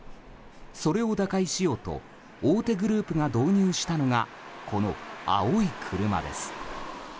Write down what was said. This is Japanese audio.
それを打開しようと大手グループが導入したのがこの青い車です。